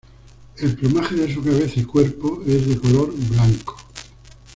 El plumaje de su cabeza y cuerpo es de color blanco.